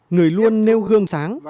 người luôn nêu gương sáng